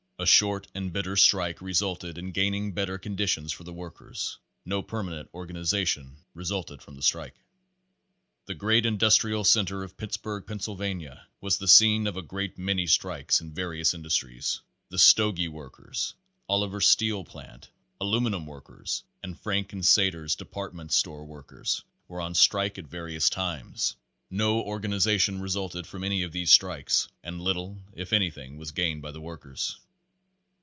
A short and bit ter strike resulted in gaining better conditions for the workers. No permanent organization resulted from the strike. The great Industrial center of Pittsburg, Pennsyl vania, was the scene of a great many strikes in various industries. The Stogie Workers, Oliver Steel Plant, Aluminun Workers and Frank & Seder's department Store Workers were on strike at various times. No or ganization resulted from any of these strikes and little if anything was gained by the workers.